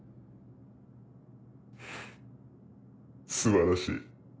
フフ素晴らしい。